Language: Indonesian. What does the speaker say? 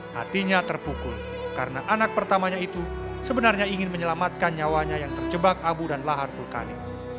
hatinya terpukul karena anak pertamanya itu sebenarnya ingin menyelamatkan nyawanya yang terjebak abu dan lahar vulkanik